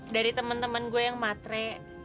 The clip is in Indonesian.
dari temen temen gue yang matre